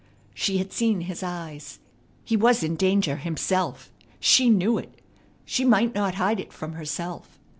She had seen his eyes. He was in danger himself. She knew it; she might not hide it from herself.